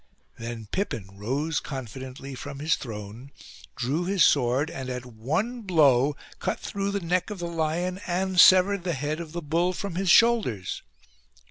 " Then Pippin rose confidently from his throne, drew his sword, and at one blow cut through the neck of the lion and severed the head of the bull from his shoulders.